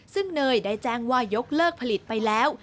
ซึ่งเนยได้แจ้งว่ายกเลิกผลิตไปแล้ว